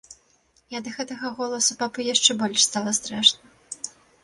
І ад гэтага голасу папу яшчэ больш стала страшна.